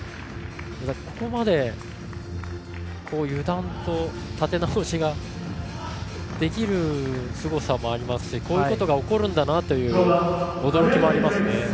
ここまで油断と立て直しができるすごさもありますしこういうことが起こるという驚きもありますね。